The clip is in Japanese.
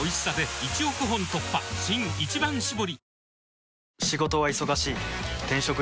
新「一番搾り」